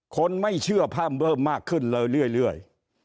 คนไม่เชื่อพร่ำเบิ้มมากขึ้นเรื่อย